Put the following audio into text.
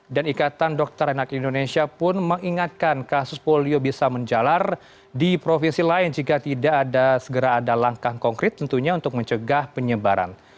dan ikatan dokter renak indonesia pun mengingatkan kasus polio bisa menjalar di provinsi lain jika tidak ada langkah konkret tentunya untuk mencegah penyebaran